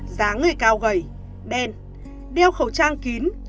dáng người cao gầy đen đeo khẩu trang kín